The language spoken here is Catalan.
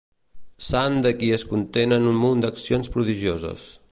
Sant de qui es conten un munt d'accions prodigioses.